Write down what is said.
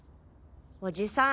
おじさん